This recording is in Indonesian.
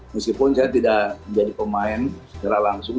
meskipun saya tidak menjadi pemain secara langsung